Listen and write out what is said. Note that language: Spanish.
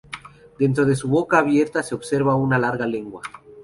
Dentro de su boca abierta se observa una larga lengua.